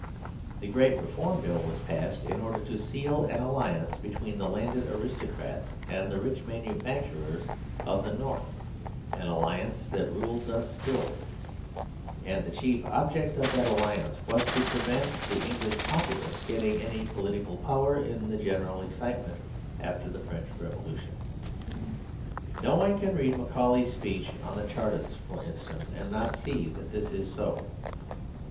The Great Reform Bill was passed in order to seal an alliance between the landed aristocrats and the rich manufacturers of the north (an alliance that rules us still); and the chief object of that alliance was to prevent the English populace getting any political power in the general excitement after the French Revolution. No one can read Macaulay's speech on the Chartists, for instance, and not see that this is so.